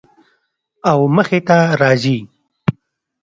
او مخې ته راځي